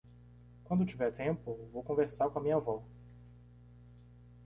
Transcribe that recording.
Quando tiver tempo, vou conversar com a minha avó.